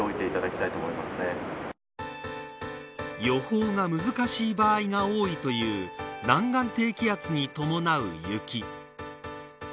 予報が難しい場合が多いという南岸低気圧に伴う雪。